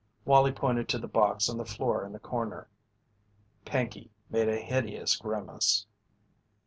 Wallie pointed to the box on the floor in the corner. Pinkey made a hideous grimace.